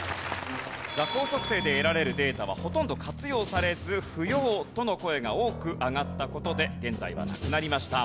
座高測定で得られるデータはほとんど活用されず不要との声が多く上がった事で現在はなくなりました。